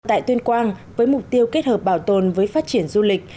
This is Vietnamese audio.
tại tuyên quang với mục tiêu kết hợp bảo tồn với phát triển du lịch